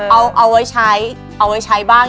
เอาไว้ใช้ก่อน